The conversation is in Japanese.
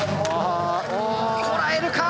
こらえるか！？